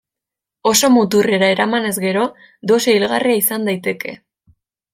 Oso muturrera eramanez gero, dosi hilgarria izan daiteke.